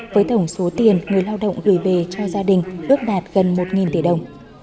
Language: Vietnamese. với tổng số tiền người lao động gửi về cho gia đình ước đạt gần một tỷ đồng